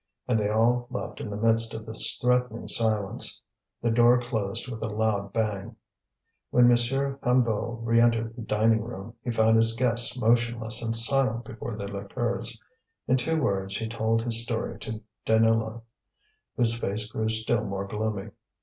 And they all left in the midst of this threatening silence. The door closed with a loud bang. When M. Hennebeau re entered the dining room he found his guests motionless and silent before the liqueurs. In two words he told his story to Deneulin, whose face grew still more gloomy.